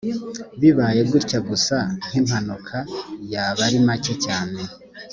bibaye gutya gusa nk impanuka yaba ari make cyane